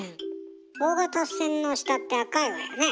大型船の下って赤いわよね。